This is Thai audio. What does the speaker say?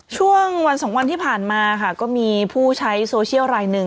ช่วงวันสองวันที่ผ่านมาค่ะก็มีผู้ใช้โซเชียลรายหนึ่ง